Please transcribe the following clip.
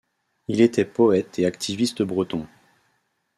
Il était poète et activiste breton.